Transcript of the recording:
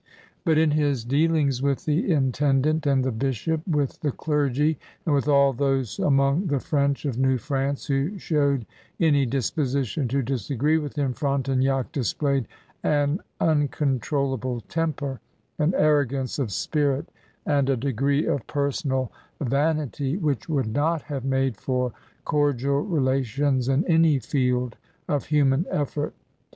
But in his deal ings with the intendant and the bishop, with the clergy, and with all those among the French of New France who showed any disposition to dis agree with him, Frontenac displayed an uncon trollable temper, an arrogance of spirit, and a degree of personal vanity which would not have made for cordial relations m any field of human effort.